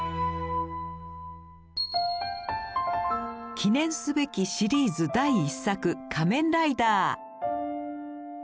記念すべきシリーズ第１作「仮面ライダー」。